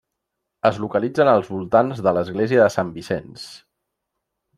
Es localitzen als voltants de l'església de Sant Vicenç.